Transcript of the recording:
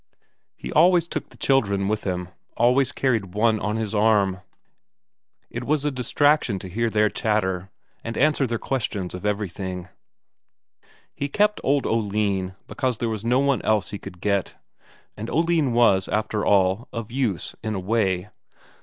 He always took the children with him, always carried one on his arm. It was a distraction to hear their chatter, and answer their questions of everything. He kept old Oline because there was no one else he could get. And Oline was, after all, of use in a way.